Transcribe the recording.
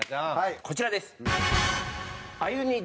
こちらです。